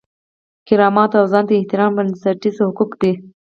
کرامت او ځان ته احترام بنسټیز حقوق دي.